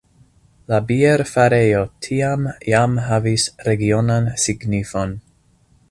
La bierfarejo tiam jam havis regionan signifon.